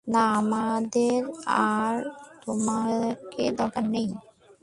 না, আমাদের আর তোমাকে দরকার নেই।